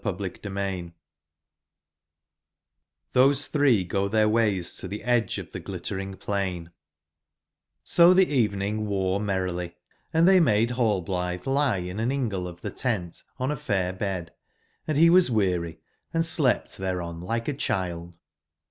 I02 Chapter XTlXbose three go their ways to the edge of the 6 li tterin g p lain ^^ O the eveningworemerrily;& they made Rallblithe lie in an ingle or the tent on a fair bed, and he was |] weary,& slept thereon like a child.